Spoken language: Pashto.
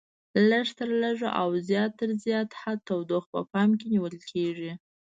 لږ تر لږه او زیات تر زیات حد تودوخه په پام کې نیول کېږي.